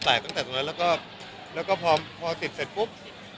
ตั้งแต่ตรงนั้นแล้วก็พอติดเสร็จปุ๊บ